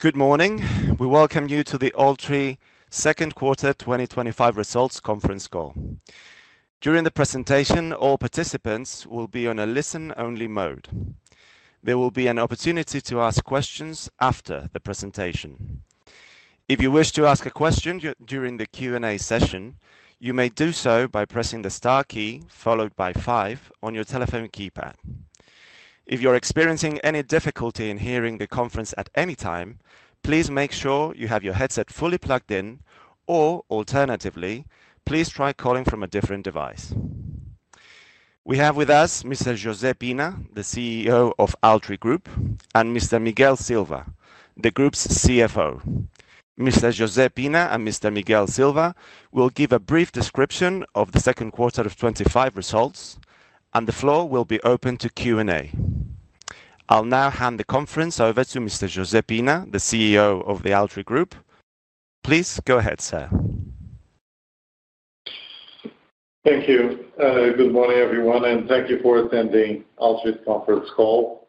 Good morning. We welcome you to the Altri Second Quarter 2025 Results Conference Call. During the presentation, all participants will be on a listen-only mode. There will be an opportunity to ask questions after the presentation. If you wish to ask a question during the Q&A session, you may do so by pressing the star key followed by five on your telephone keypad. If you are experiencing any difficulty in hearing the conference at any time, please make sure you have your headset fully plugged in, or alternatively, please try calling from a different device. We have with us Mr. José Soares de Pina, the CEO of Altri SGPS SA, and Mr. Miguel Silva, the group's CFO. Mr. José Soares de Pina and Mr. Miguel Silva will give a brief description of the second quarter 2025 results, and the floor will be open to Q&A. I'll now hand the conference over to Mr. José Soares de Pina, the CEO of Altri SGPS SA. Please go ahead, sir. Thank you. Good morning, everyone, and thank you for attending Altri's conference call.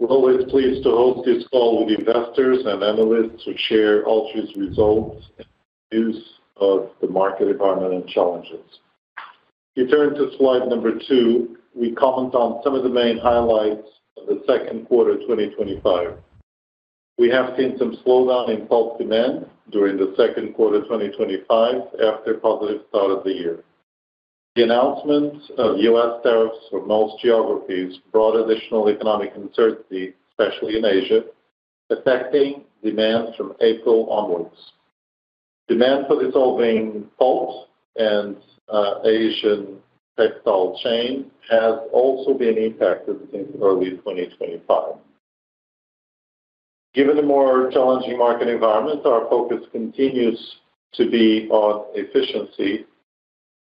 We're always pleased to host this call with investors and analysts to share Altri's results, news of the market environment, and challenges. If you turn to slide number two, we comment on some of the main highlights of the second quarter of 2025. We have seen some slowdown in pulp demand during the second quarter of 2025 after a positive start of the year. The announcement of U.S. tariffs for most geographies brought additional economic uncertainty, especially in Asia, affecting demand from April onwards. Demand for the dissolving pulp and the Asian textile chain has also been impacted since early 2025. Given the more challenging market environment, our focus continues to be on efficiency.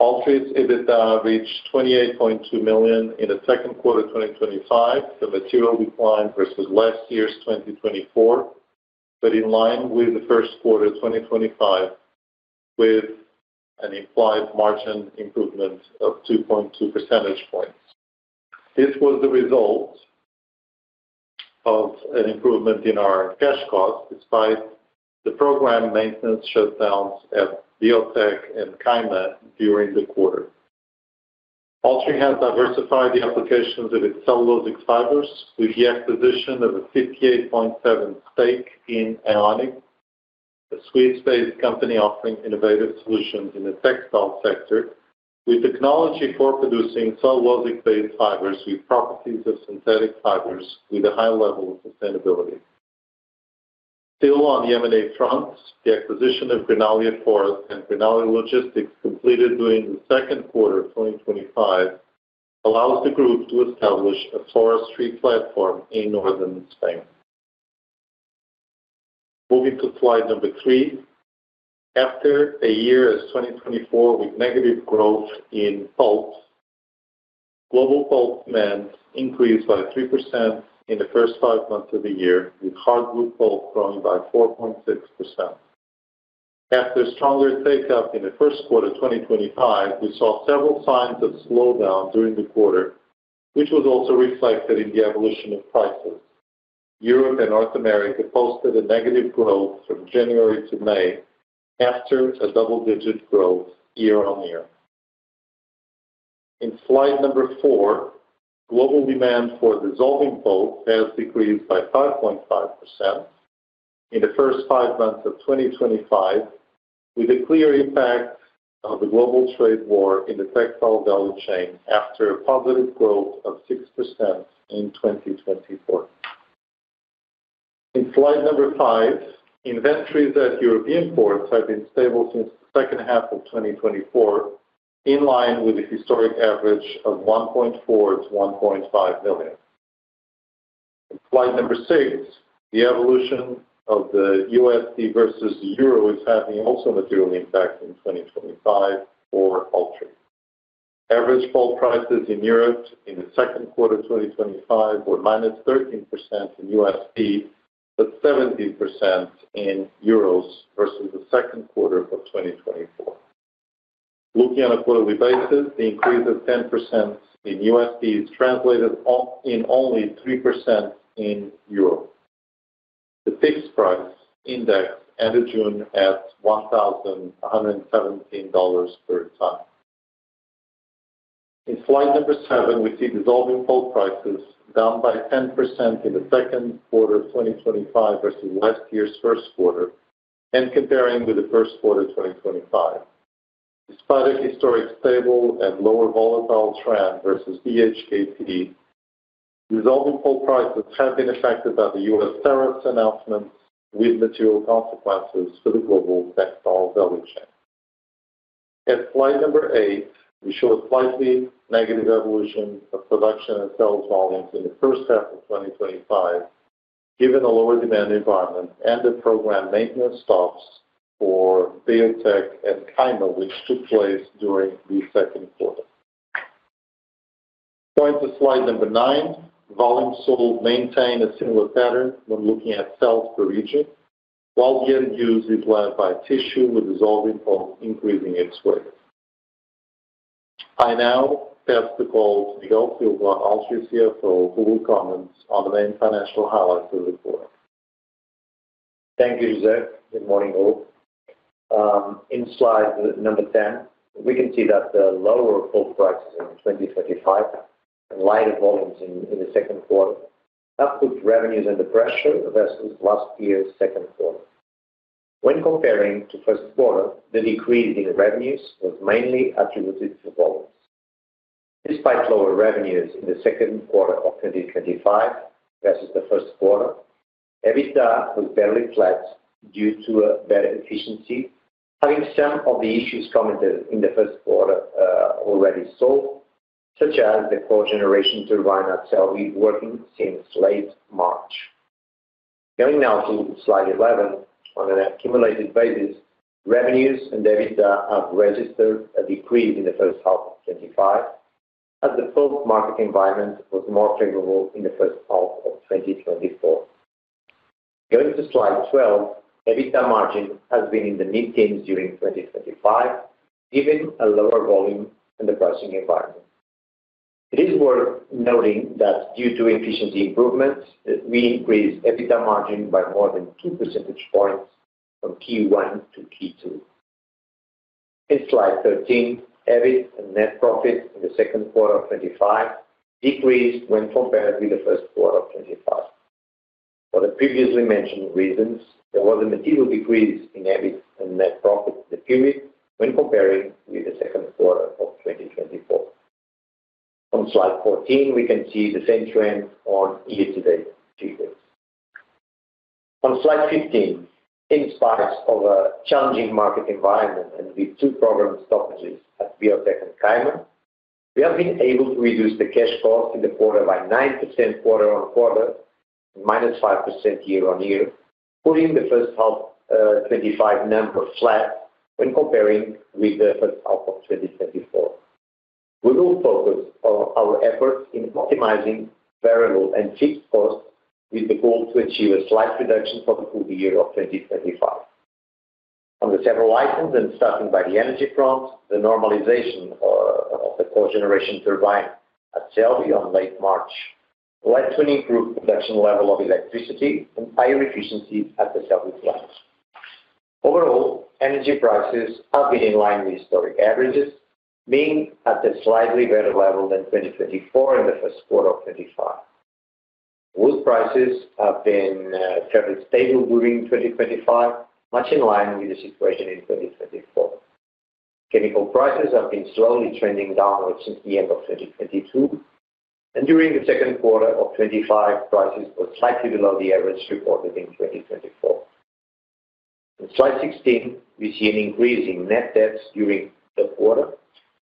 Altri's EBITDA reached 28.2 million in the second quarter of 2025, a material decline versus last year's 2024, but in line with the first quarter of 2025, with an implied margin improvement of 2.2%. This was the result of an improvement in our cash cost despite the scheduled maintenance shutdowns at BioTech and Kymet during the quarter. Altri has diversified the applications of its cellulosic fibers with the acquisition of a 58.7% stake in Aonic, a Sweden-based company offering innovative solutions in the textile sector with technology for producing cellulosic-based fibers with properties of synthetic fibers with a high level of sustainability. Still on the M&A front, the acquisition of Greenalia Forest and Greenalia Logistics completed during the second quarter of 2025 allows the group to establish a forestry platform in northern Spain. Moving to slide number three, after a year as 2024 with negative growth in pulp, global pulp demand increased by 3% in the first five months of the year, with hardwood pulp growing by 4.6%. After a stronger takeup in the first quarter of 2025, we saw several signs of slowdown during the quarter, which was also reflected in the evolution of prices. Europe and North America posted a negative growth from January to May after a double-digit growth year-on-year. In slide number four, global demand for dissolving pulp has decreased by 5.5% in the first five months of 2025, with a clear impact of the global trade war in the textile value chain after a positive growth of 6% in 2024. In slide number five, inventories at European ports have been stable since the second half of 2024, in line with the historic average of 1.4-1.5 million. Slide number six, the evolution of the USD versus the Euro is having also a material impact in 2025 for Altri. Average pulp prices in Europe in the second quarter of 2025 were -13% in USD, but 17% in Euros versus the second quarter of 2024. Looking on a quarterly basis, the increase of 10% in USD is translated in only 3% in Euro. The fixed price index ended June at $1,117.35. In slide number seven, we see dissolving pulp prices down by 10% in the second quarter of 2025 versus last year's first quarter and comparing to the first quarter of 2025. Despite a historic stable and lower volatile trend versus BHKT, the dissolving pulp prices have been affected by the U.S. tariffs announcement with material consequences for the global textile value chain. At slide number eight, we show a slightly negative evolution of production and sales volumes in the first half of 2025, given a lower demand environment and the program maintenance stops for BioTech and Kymeta, which took place during the second quarter. Going to slide number nine, volume sold maintained a similar pattern when looking at sales per region, while the end-use is led by tissue with dissolving pulp increasing its weight. I now ask to call the Altri CFO, Miguel Silva, on the main financial highlights of the report. Thank you, José. Good morning, all. In slide number 10, we can see that the lower pulp prices in 2025 and lighter volumes in the second quarter uplift revenues and the pressure versus last year's second quarter. When comparing to the first quarter, the decrease in revenues was mainly attributed to volume. Despite lower revenues in the second quarter of 2025 versus the first quarter, EBITDA was barely flat due to a better efficiency, having some of the issues commented in the first quarter already solved, such as the cogeneration turbine at Celbi working since late March. Going now to slide 11, on an accumulated basis, revenues and EBITDA have registered a decrease in the first half of 2025 as the full market environment was more favorable in the first half of 2024. Going to slide 12, EBITDA margin has been in the mid-teens during 2025, given a lower volume and the pricing environment. It is worth noting that due to efficiency improvements, we increased EBITDA margin by more than 2 percentage points from Q1 to Q2. In slide 13, EBIT and net profit in the second quarter of 2025 decreased when compared with the first quarter of 2025. For the previously mentioned reasons, there was a material decrease in EBIT and net profit of the QE when comparing with the second quarter of 2024. On slide 14, we can see the same trend on ESG data. On slide 15, in spite of a challenging market environment and with two problem strategies at BioTech and Kymet, we have been able to reduce the cash flow in the quarter by 9% quarter on quarter and minus 5% year-on-year, pulling the first half of 2025 number flat when comparing with the first half of 2024. We will focus on our efforts in optimizing variable and fixed costs with the goal to achieve a slight reduction for the Q2 year of 2025. Under several items and starting by the energy front, the normalization of the cogeneration turbine at Celbi on late March likely to improve production level of electricity and higher efficiency at the Celbi plants. Overall, energy prices are good in line with historic averages, being at a slightly better level than 2024 in the first quarter of 2025. Wood prices have been fairly stable during 2025, much in line with the situation in 2024. Chemical prices have been slowly trending downwards since the end of 2022, and during the second quarter of 2025, prices were slightly below the average reported in 2024. On slide 16, we see an increase in net debt during the quarter,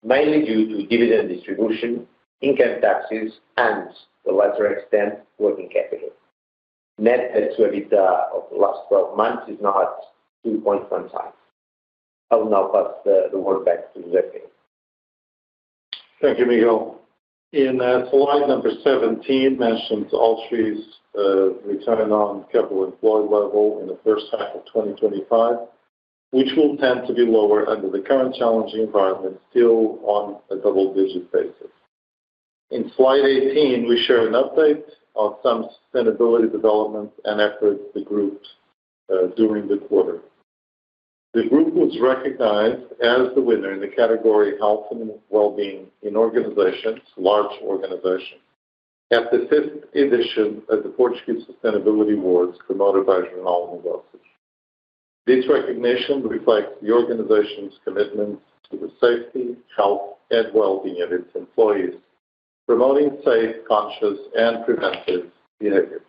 mainly due to dividend distribution, income taxes, and to a lesser extent, working capital. Net debt to EBITDA over the last 12 months is now at 2.15. I will now pass the word back to José. Thank you, Miguel. In slide number 17, mentions Altri's return on capital employed level in the first half of 2025, which will tend to be lower under the current challenging environment, still on a double-digit basis. In slide 18, we share an update on some sustainability developments and efforts of the group during the quarter. The group is recognized as the winner in the category Health and Wellbeing in organizations, large organizations, at the fifth edition of the Portuguese Sustainability Awards, promoted by Jornal de Negócios. This recognition reflects the organization's commitment to the safety, health, and well-being of its employees, promoting safe, conscious, and preventive behaviors.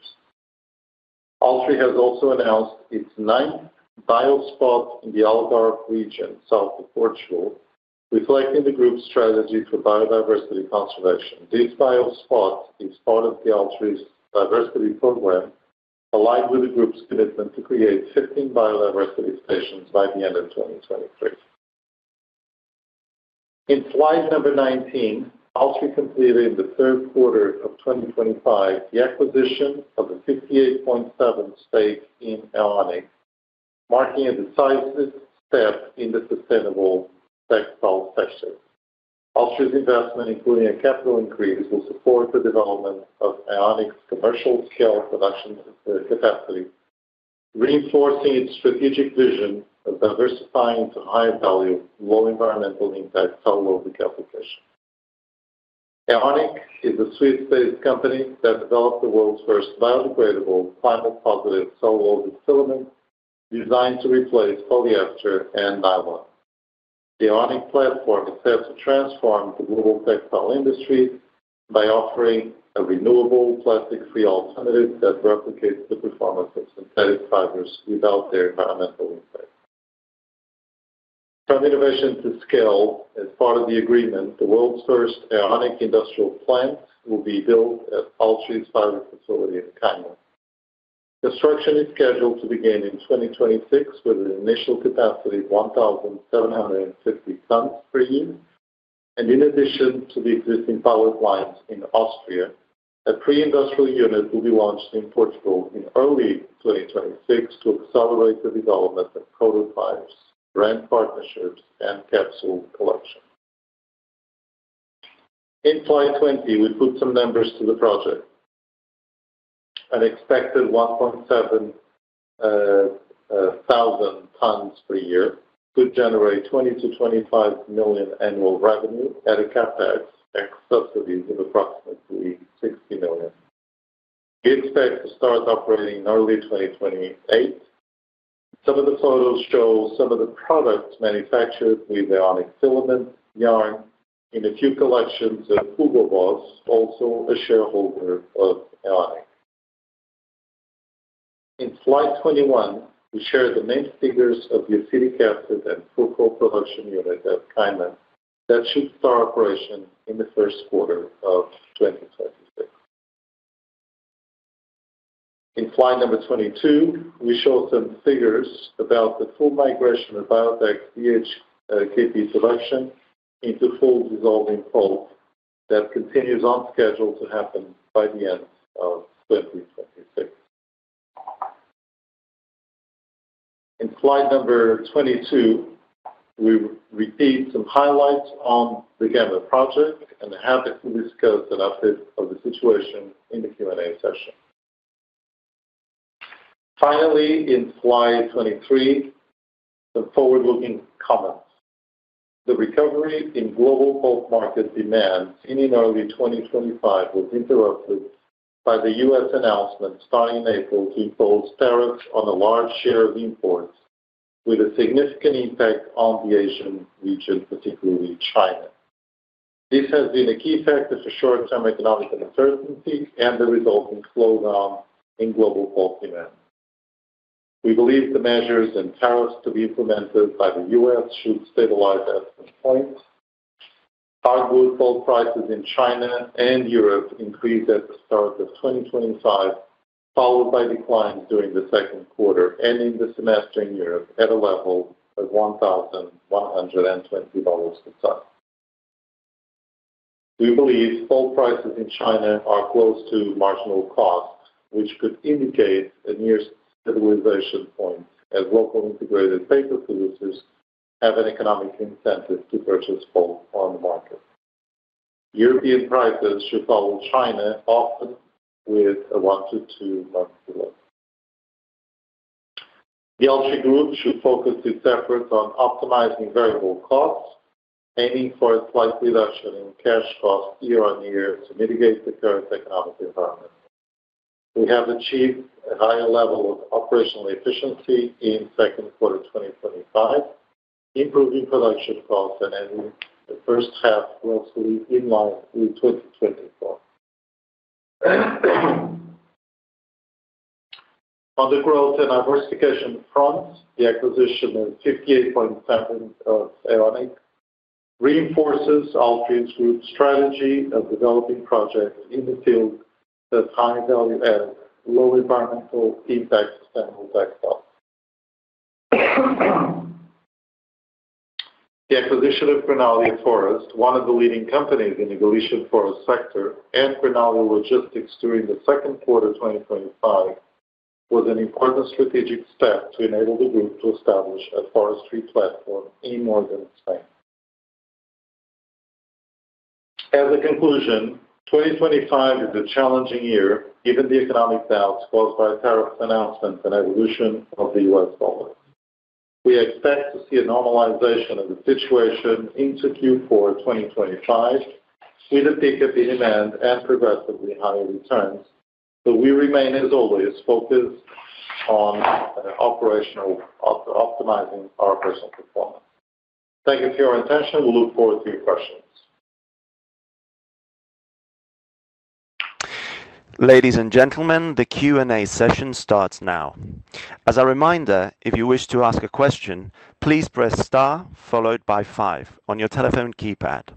Altri has also announced its ninth biospot in the Algarve region, south of Portugal, reflecting the group's strategy for biodiversity conservation. This biospot is part of Altri's diversity program, aligned with the group's commitment to create 15 biodiversity stations by the end of 2023. In slide number 19, Altri completed in the third quarter of 2025 the acquisition of a 58.7% stake in Aonic, marking a decisive step in the sustainable textile sector. Altri's investment, including a capital increase, will support the development of Aonic's commercial-scale production capacity, reinforcing its strategic vision of diversifying to high-value, low environmental impact cellulosic applications. Aonic is a Swedish-based company that developed the world's first biodegradable, climate-positive cellulosic filament designed to replace polyester and nylon. The Aonic platform is set to transform the global textile industry by offering a renewable, plastic-free alternative that replicates the performance of synthetic fibers without their environmental impact. From innovation to scale, as part of the agreement, the world's first Aonic industrial plant will be built at Altri's pilot facility in Kymet. Construction is scheduled to begin in 2026 with an initial capacity of 1,750 t per year. In addition to the existing power plants in Austria, a pre-industrial unit will be launched in Portugal in early 2026 to accelerate the development of coat of tires, brand partnerships, and capsule collection. In slide 20, we put some numbers to the project. An expected 1,700,000 t per year would generate 20-25 million annual revenue at a CapEx subsidy of approximately 60 million. We expect to start operating in early 2028. Some of the photos show some of the products manufactured with Aonic filament, yarn, and a few collections that Hugo Boss, also a shareholder of Aonic. In slide 21, we share the main figures of the acetic acid and pulp production unit at Kymet that should start operation in the first quarter of 2026. In slide number 22, we show some figures about the full migration of BioTech's BHKT production into full dissolving pulp that continues on schedule to happen by the end of 2026. In slide number 22, we retain some highlights on the Gemma project and the habit to discuss an update of the situation in the Q&A session. Finally, in slide 23, the forward-looking comment. The recovery in global pulp market demand seen in early 2025 was interrupted by the U.S. announcement starting in April to impose tariffs on a large share of imports, with a significant impact on the Asian region, particularly China. This has been a key factor for short-term economic uncertainty and the resulting slowdown in global pulp demand. We believe the measures and tariffs to be implemented by the U.S. should stabilize at this point. Hardwood pulp prices in China and Europe increased at the start of 2025, followed by declines during the second quarter, ending the semester in Europe at a level of $1,120 per ton. We believe pulp prices in China are close to marginal costs, which could indicate a near-stabilization point as local integrated paper producers have an economic incentive to purchase pulp on the market. European prices should follow China often with a one to two months delay. The Altri Group should focus its efforts on optimizing variable costs, aiming for a slight reduction in cash flow year on year to mitigate the current economic environment. We have achieved a higher level of operational efficiency in second quarter 2025, improving production costs and ending the first half grossly in line with 2020. On the growth and diversification front, the acquisition of 58.7% of Aonic reinforces Altri's group strategy of developing projects in the field of high-value and low environmental impact. The acquisition of Greenalia Forest, one of the leading companies in the Galician forest sector, and Greenalia Logistics during the second quarter of 2025, was an important strategic step to enable the group to establish a forestry platform in northern Spain. As a conclusion, 2025 is a challenging year given the economic doubts caused by tariff announcements and the evolution of the U.S. dollar. We expect to see a normalization of the situation into Q4 2025 with a peak in demand and progressively higher returns. We remain, as always, focused on optimizing our operational performance. Thank you for your attention. We look forward to your questions. Ladies and gentlemen, the Q&A session starts now. As a reminder, if you wish to ask a question, please press star followed by five on your telephone keypad.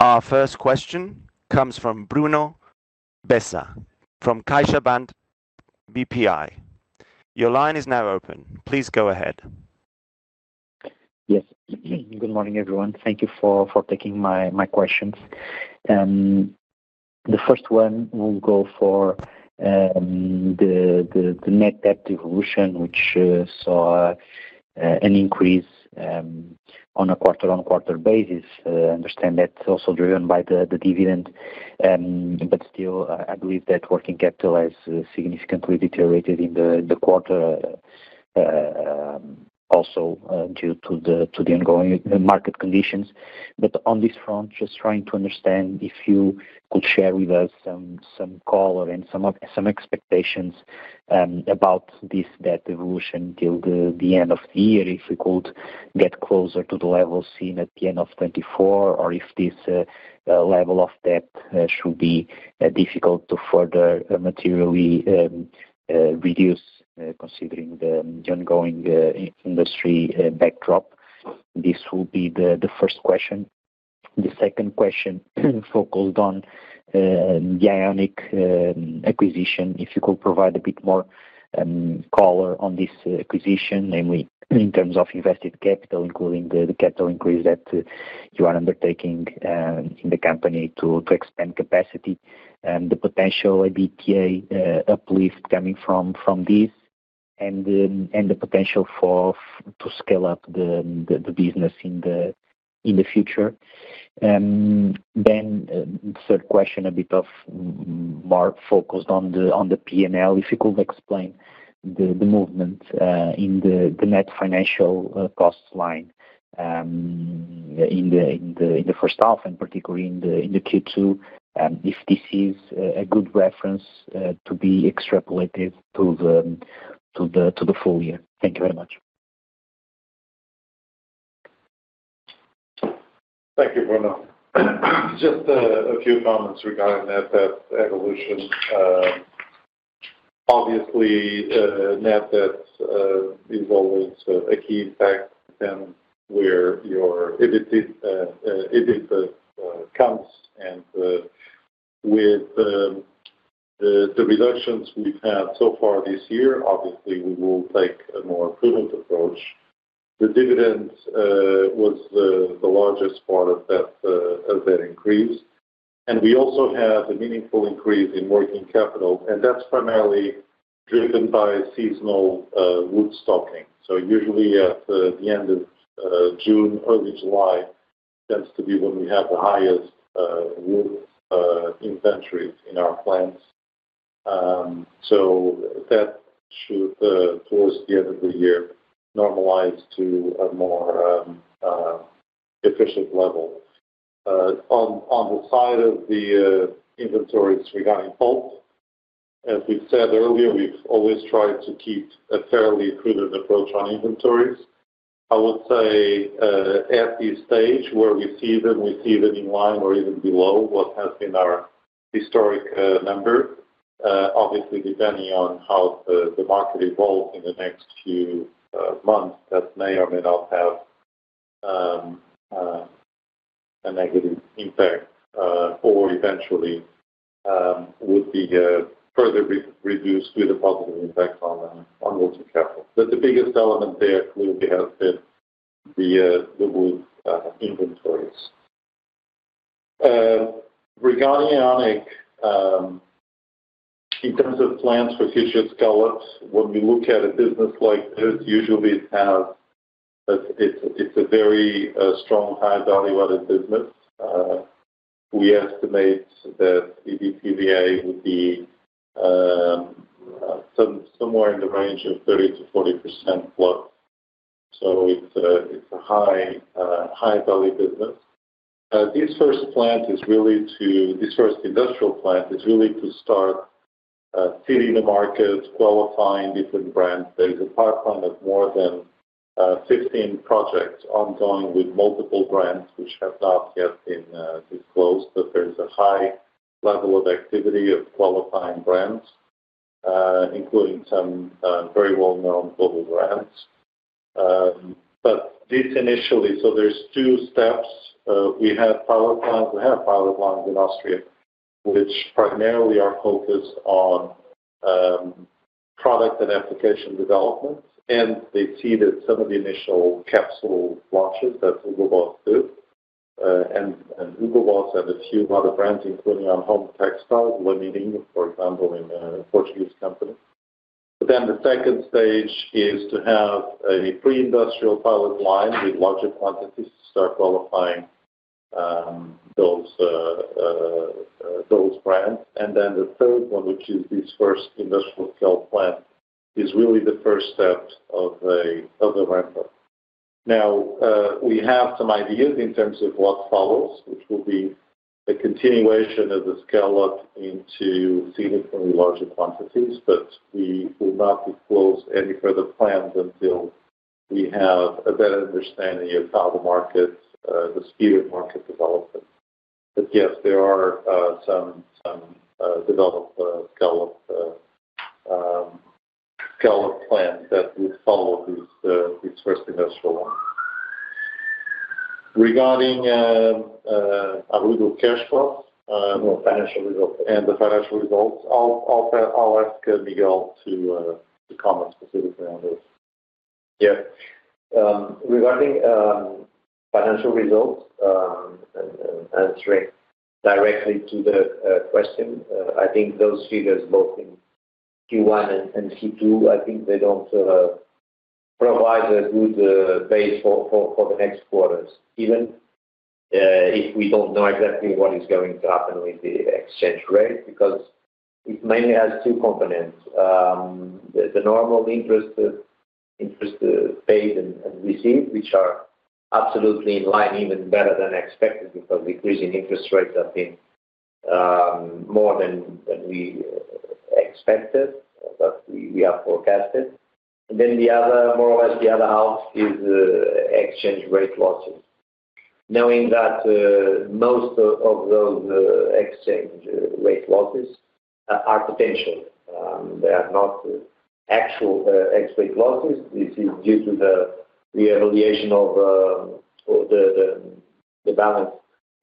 Our first question comes from Bruno Bessa from CaixaBank BPI. Your line is now open. Please go ahead. Yes. Good morning, everyone. Thank you for taking my questions. The first one will go for the net debt evolution, which saw an increase on a quarter-on-quarter basis. I understand that's also driven by the dividend. I believe that working capital has significantly deteriorated in the quarter, also due to the ongoing market conditions. On this front, just trying to understand if you could share with us some color and some expectations about this debt evolution until the end of the year, if we could get closer to the level seen at the end of 2024, or if this level of debt should be difficult to further materially reduce considering the ongoing industry backdrop. This will be the first question. The second question focused on the Aonic acquisition. If you could provide a bit more color on this acquisition, namely in terms of invested capital, including the capital increase that you are undertaking in the company to expand capacity, the potential EBITDA uplift coming from this, and the potential to scale up the business in the future. The third question, a bit more focused on the P&L, if you could explain the movement in the net financial cost line in the first half and particularly in Q2, if this is a good reference to be extrapolated to the full year. Thank you very much. Thank you, Bruno. Just a few comments regarding net debt evolution. Obviously, net debt involves a key factor where your EBITDA comes. With the reductions we've had so far this year, obviously, we will take a more prudent approach. The dividend was the largest part of that increase. We also have a meaningful increase in working capital, and that's primarily driven by seasonal wood stocking. Usually at the end of June, early July, that's to be when we have the highest wood inventories in our plants. That should, towards the end of the year, normalize to a more efficient level. On the side of the inventories regarding pulp, as we've said earlier, we've always tried to keep a fairly prudent approach on inventories. I would say at this stage where we see them, we see them in line or even below what has been our historic number. Obviously, depending on how the market evolves in the next few months, that may or may not have a negative impact or eventually would be further reduced due to the positive impact on wood to castle. The biggest element there clearly has been the wood inventories. Regarding Aonic, in terms of plans for future scale-ups, when we look at a business like this, usually it's a very strong, high-value-added business. We estimate that EBITDA would be somewhere in the range of 30%-40% low. It's a high-value business. This first plant is really to, this first industrial plant is really to start seeding the market, qualifying different brands. There is a pipeline of more than 16 projects ongoing with multiple brands which have not yet been disclosed, but there is a high level of activity of qualifying brands, including some very well-known global brands. This initially, so there's two steps. We had pilot plans. We had pilot plans in Austria, which primarily are focused on product and application development. They've seen some of the initial capsule launches that Hugo Boss did. Hugo Boss and a few other brands, including ALUMO Textile, Laminil, for example, in a Portuguese company. The second stage is to have a pre-industrial pilot line with larger quantities to start qualifying those brands. The third one, which is this first industrial-scale plant, is really the first step of a ramp-up. We have some ideas in terms of what follows, which will be a continuation of the scale-up into significantly larger quantities, but we will not disclose any further plans until we have a better understanding of how the market, the speed of market development. Yes, there are some developed scale-up plans that would follow this first industrial one. Regarding our results cash flow and the financial results, I'll ask Miguel to comment specifically on this. Yeah. Regarding financial results and answering directly to the question, I think those figures both in Q1 and Q2, I think they don't provide a good base for the next quarters, even if we don't know exactly what is going to happen with the exchange rate because it mainly has two components. The normal interest paid and received, which are absolutely in line, even better than expected because we're freezing interest rates have been more than we expected, but we have forecasted. Then the other, more or less the other half is the exchange rate losses. Knowing that most of those exchange rate losses are potential, they are not actual exchange losses. This is due to the re-annulation of the balance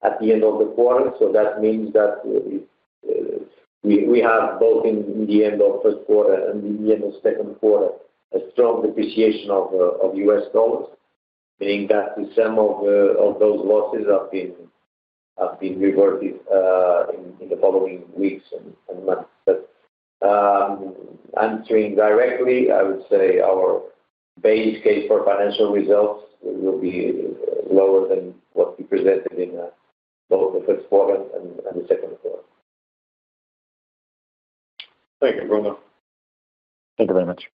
at the end of the quarter. That means that we have both in the end of the first quarter and the end of the second quarter a strong depreciation of U.S. dollars, meaning that some of those losses have been reverted in the following weeks and months. Answering directly, I would say our base case for financial results will be lower than what we presented in the lower first quarter and the second quarter. Thank you, Bruno. Thank you very much.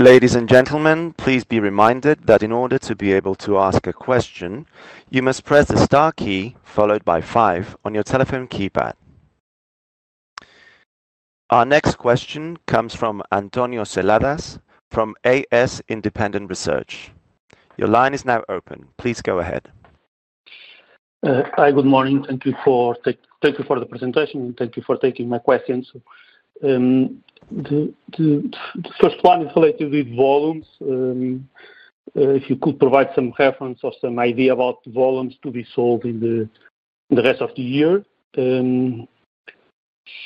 Ladies and gentlemen, please be reminded that in order to be able to ask a question, you must press the star key followed by 5 on your telephone keypad. Our next question comes from Antonio Celadas from AS Independent Research. Your line is now open. Please go ahead. Hi. Good morning. Thank you for the presentation. Thank you for taking my questions. The first one is related with volumes. If you could provide some reference or some idea about the volumes to be sold in the rest of the year.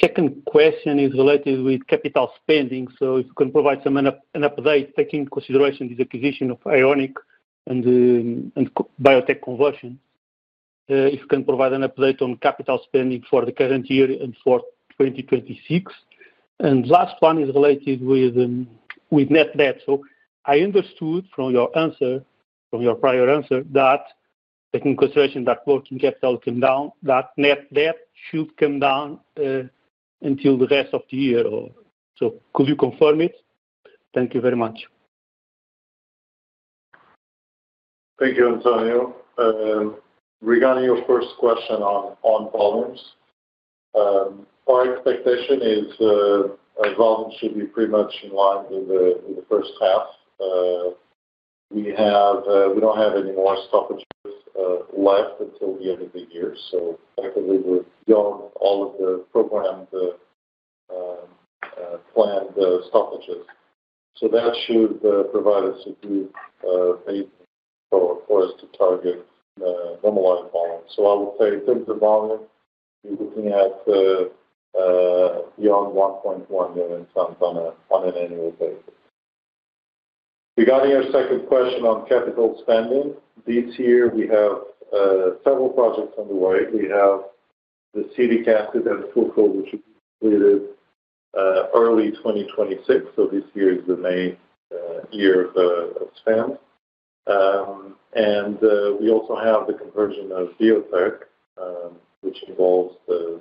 The second question is related with capital spending. If you can provide an update taking into consideration the acquisition of Aonic and BioTech conversion. If you can provide an update on capital spending for the current year and for 2026. The last one is related with net debt. I understood from your prior answer that taking into consideration that working capital came down, net debt should come down until the rest of the year. Could you confirm it? Thank you very much. Thank you, Antonio. Regarding your first question on volumes, my expectation is that volumes should be pretty much in line with the first half. We don't have any more scheduled maintenance shutdowns left until the end of the year. We've done all of the program, the planned shutdowns. That should provide us a good basis for us to target normalized volumes. I would say in terms of volume, we're looking at beyond 1.1 million tons on an annual basis. Regarding your second question on capital spending, this year, we have several projects underway. We have the Celbi capital that's fulfilled, which will be completed early 2026. This year is the main year of spend. We also have the conversion of BioTech, which involves the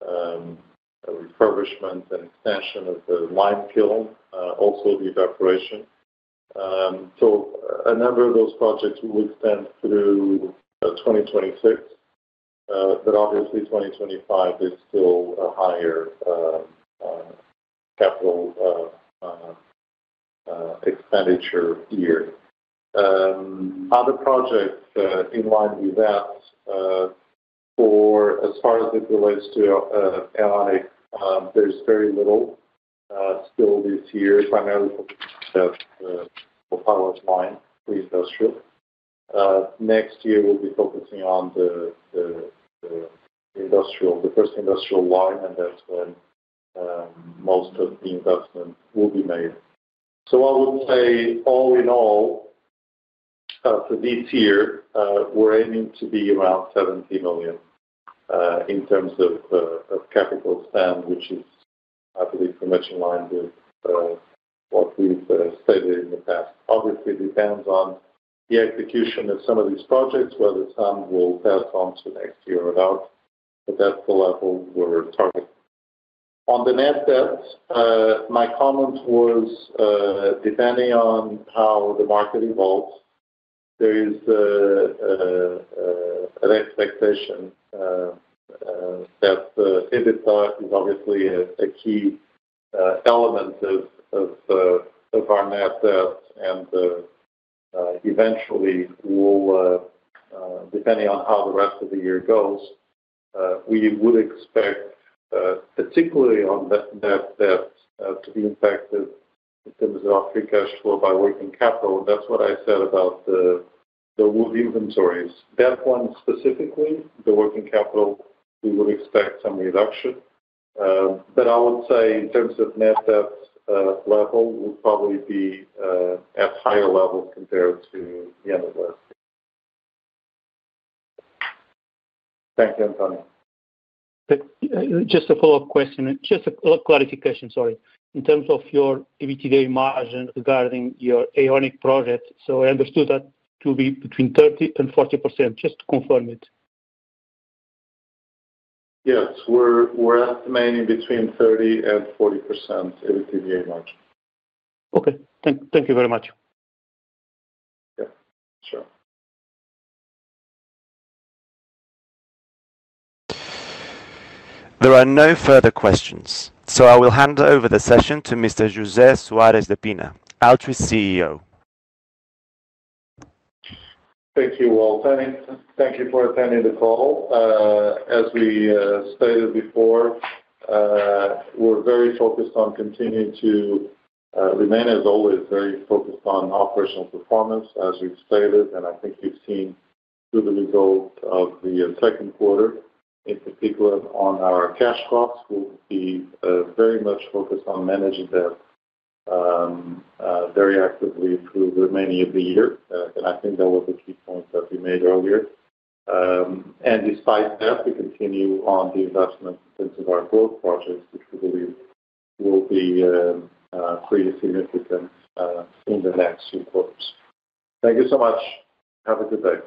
refurbishment and expansion of the minefield, also the evaporation. A number of those projects will extend through 2026. Obviously, 2025 is still a higher capital expenditure year. Other projects in line with that, as far as it relates to Aonic, there's very little still this year, primarily focusing on the pilot line for industrial. Next year, we'll be focusing on the first industrial line, and that's when most of the investment will be made. I would say all in all, for this year, we're aiming to be around 70 million in terms of capital spend, which is, I believe, pretty much in line with what we've stated in the past. Obviously, it depends on the execution of some of these projects, whether some will pass on to the next year or not. That's the level we're targeting. On the net debt, my comment was, depending on how the market evolves, there is an expectation that EBITDA is obviously a key element of our net debt. Eventually, depending on how the rest of the year goes, we would expect, particularly on net debt, to be impacted in terms of our free cash flow by working capital. That's what I said about the wood inventories. That one specifically, the working capital, we would expect some reduction. I would say in terms of net debt level, we'll probably be at a higher level compared to the end of last year. Thank you, Antonio. Just a follow-up question. Just a clarification, sorry. In terms of your EBITDA margin regarding your Aonic project, I understood that to be between 30% and 40%. Just to confirm it. Yes. We're at the main in between 30% and 40% EBITDA margin. Okay, thank you very much. There are no further questions. I will hand over the session to Mr. José Soares de Pina, Altri's CEO. Thank you all. Thank you for attending the call. As we stated before, we're very focused on continuing to remain, as always, very focused on operational performance, as we've stated. I think we've seen through the result of the second quarter, in particular on our cash flows, we'll be very much focused on managing that very actively through the remainder of the year. I think that was a key point that we made earlier. Despite that, we continue on the investment in terms of our growth projects, which we believe will be pretty significant in the next few quarters. Thank you so much. Have a good day.